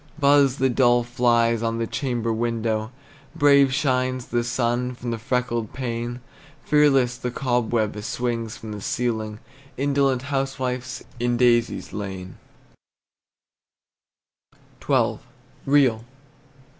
Buzz the dull flies on the chamber window; Brave shines the sun through the freckled pane; Fearless the cobweb swings from the ceiling Indolent housewife, in daisies lain! XII. REAL.